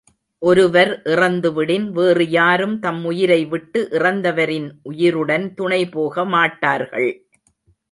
ஒருவர் இறந்து விடின், வேறு யாரும் தம் உயிரை விட்டு, இறந்தவரின் உயிருடன் துணை போக மாட்டார்கள்.